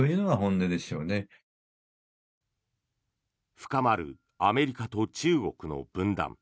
深まるアメリカと中国の分断。